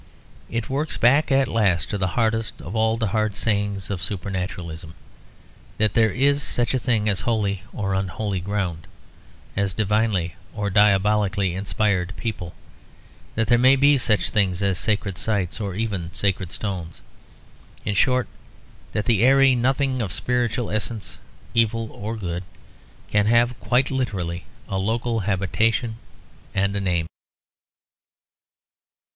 It works back at last to the hardest of all the hard sayings of supernaturalism; that there is such a thing as holy or unholy ground, as divinely or diabolically inspired people; that there may be such things as sacred sites or even sacred stones; in short that the airy nothing of spiritual essence, evil or good, can have quite literally a local habitation and a name.